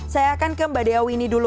saya akan ke mbak dea winnie dulu